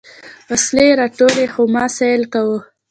وسلې يې راټولولې خو ما سيل کاوه.